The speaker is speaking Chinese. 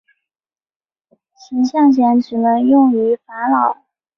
象形茧只能适用于法老。